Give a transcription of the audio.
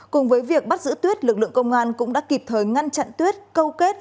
cùng với việc bắt giữ tuyết lực lượng công an cũng đã kịp thời ngăn chặn tuyết câu kết